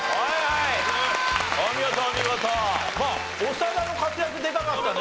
長田の活躍でかかったね。